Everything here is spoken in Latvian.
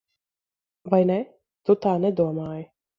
Vai ne? Tu tā nedomāji.